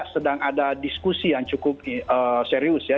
sedang ada diskusi yang cukup serius ya